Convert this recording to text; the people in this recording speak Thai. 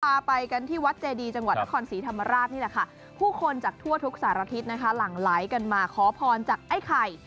ปลาไปกันที่วัดเจดีจังหวัดนครศรีธรรมาราชผู้คนจากทั่วทุกสารที่หลังหลายกันมาขอพรจากไอ้ไข่